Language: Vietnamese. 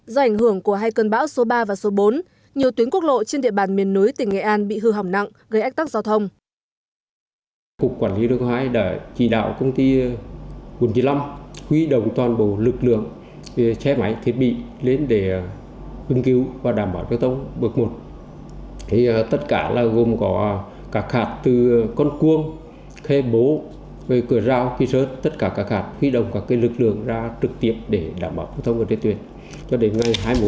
do ảnh hưởng của hai cơn bão số ba và số bốn nhiều tuyến quốc lộ trên địa bàn miền núi tỉnh nghệ an bị hư hỏng nặng gây ách tắc giao thông